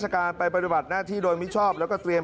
ครับ